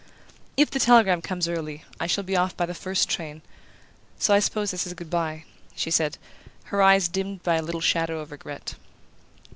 "If the telegram comes early I shall be off by the first train; so I suppose this is good bye," she said, her eyes dimmed by a little shadow of regret.